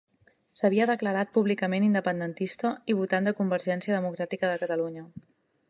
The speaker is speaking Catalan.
S'havia declarat públicament independentista i votant de Convergència Democràtica de Catalunya.